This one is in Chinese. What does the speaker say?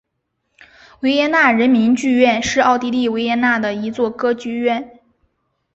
维也纳人民剧院是奥地利维也纳的一座歌剧院。